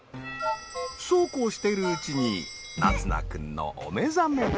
そうこうしているうちに凪維君のお目覚め。